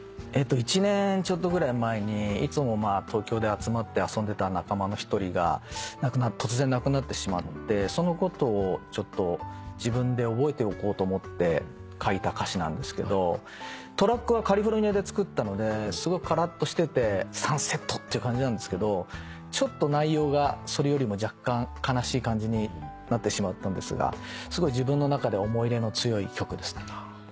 １年ちょっとぐらい前にいつも東京で集まって遊んでた仲間の一人が突然亡くなってしまってそのことをちょっと自分で覚えておこうと思って書いた歌詞なんですけどトラックはカリフォルニアで作ったのですごいからっとしててサンセットって感じなんですけどちょっと内容がそれよりも若干悲しい感じになってしまったんですがすごい自分の中で思い入れの強い曲ですね。